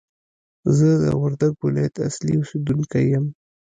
زه د وردګ ولایت اصلي اوسېدونکی یم!